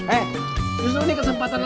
apus satu ceng